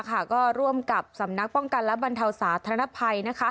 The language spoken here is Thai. ก็ร่วมกับสำนักป้องกันและบรรเทาสาธารณภัย